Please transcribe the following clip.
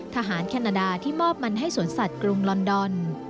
แคนาดาที่มอบมันให้สวนสัตว์กรุงลอนดอน